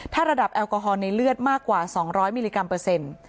ถ้าระดับแอลกอฮอลในเลือดมากกว่า๒๐๐มิลลิกรัมเปอร์เซ็นต์